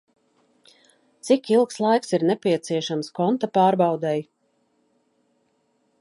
Cik ilgs laiks ir nepieciešams konta pārbaudei?